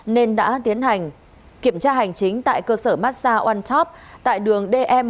nên đã tiến hành kiểm tra hành chính tại cơ sở mát xa onetop tại đường de một